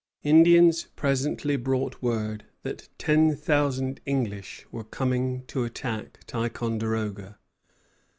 Indians presently brought word that ten thousand English were coming to attack Ticonderoga.